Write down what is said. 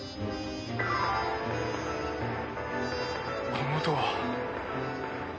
この音は。